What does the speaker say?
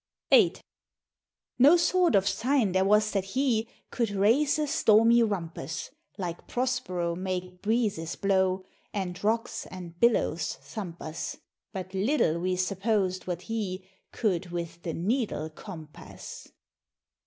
VIII. No sort of sign there was that he Could raise a stormy rumpus, Like Prospero make breezes blow, And rocks and billows thump us, But little we supposed what he Could with the needle compass!